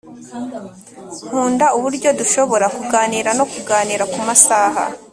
nkunda uburyo dushobora kuganira no kuganira kumasaha